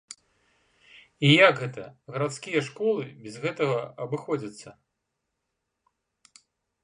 І як гэта гарадскія школы без гэтага абыходзяцца?